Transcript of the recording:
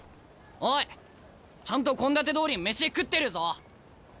おいちゃんと献立どおり飯食ってるぞ。